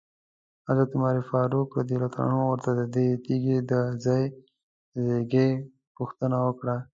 حضرت عمر رضی الله عنه ورنه ددې تیږي د ځای ځایګي پوښتنه وکړه.